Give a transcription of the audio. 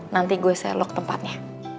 nanti gue selok tempatnya